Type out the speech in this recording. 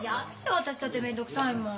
私だって面倒くさいもん。